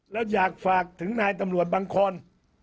แล้วอยากฝากถึงนายตำรวจบางคน